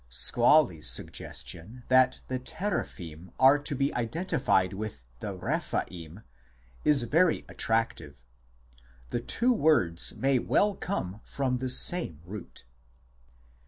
Schwally s suggestion l that the Teraphim are to be identi fied with the Rephaim is very attractive ; the two words may well come from the same root.